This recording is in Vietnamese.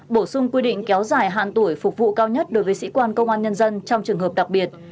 bổ sung quy định kéo dài hạn tuổi phục vụ cao nhất đối với sĩ quan công an nhân dân trong trường hợp đặc biệt